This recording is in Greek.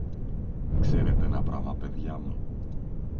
Ξέρετε ένα πράμα, παιδιά μου;